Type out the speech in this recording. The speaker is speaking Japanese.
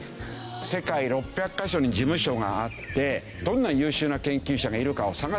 世界６００カ所に事務所があってどんな優秀な研究者がいるかを探すわけですよ。